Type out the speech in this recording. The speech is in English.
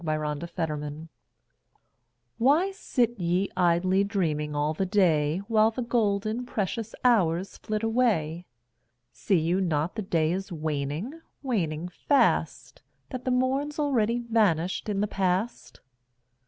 Ella Wheeler Wilcox Arise WHY sit ye idly dreaming all the day, While the golden, precious hours flit away? See you not the day is waning, waning fast? That the morn's already vanished in the past?